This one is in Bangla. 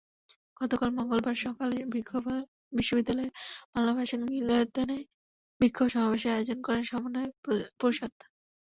গতকাল মঙ্গলবার সকালে বিশ্ববিদ্যালয়ের মওলানা ভাসানী মিলনায়তনে বিক্ষোভ সমাবেশের আয়োজন করে সমন্বয় পরিষদ।